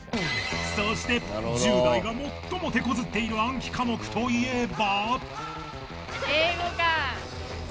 そして１０代が最も手こずっている暗記科目といえば。